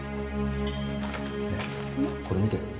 ねえこれ見てよ。